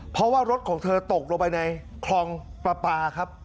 เพราะว่ารถของเธอตกในคลองประปา